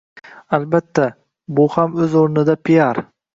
Albatta, bu ham o‘z o‘rnida piar.